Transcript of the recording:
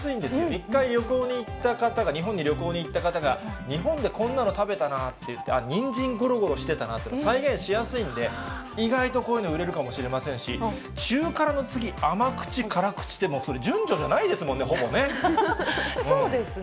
一回旅行に行った方が、日本に旅行に行った方が、日本でこんなの食べたなっていって、あっ、ニンジンごろごろしてたなっていうの、再現しやすいんで、意外とこういうの売れるかもしれませんし、中辛の次、甘口、辛口って、それ、そうですね。